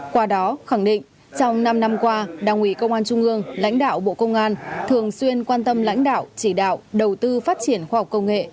qua đó khẳng định trong năm năm qua đảng ủy công an trung ương lãnh đạo bộ công an thường xuyên quan tâm lãnh đạo chỉ đạo đầu tư phát triển khoa học công nghệ